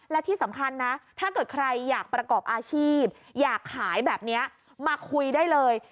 และที่สำคัญนะถ้าเกิดใครอยากประกอบอาชีพอยากขายแบบนี้มาคุยได้เลย